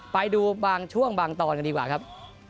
ไปดูบางช่วงบางตอนกันดีกว่าครับ